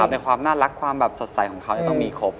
ในความน่ารักความแบบสดใสของเขาต้องมีครบ